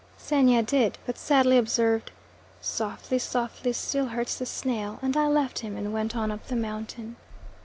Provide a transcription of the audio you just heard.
Xenia did, but sadly observed, "softly softly still hurts the snail," and I left him and went on up the mountain.